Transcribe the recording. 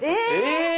え！